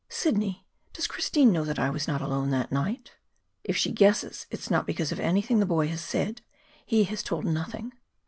"Sidney, does Christine know that I was not alone that night?" "If she guesses, it is not because of anything the boy has said. He has told nothing."